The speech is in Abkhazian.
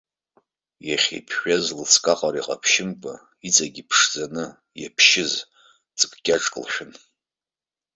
Иахьа иԥжәаз лыҵкы аҟара иҟаԥшьымкәа, иҵегьы иԥшӡаны иаԥшьыз ҵык ҿыцк лшәын.